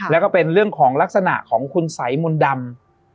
แล้วก็เป็นเรื่องของลักษณะของคุณสัยมนต์ดำ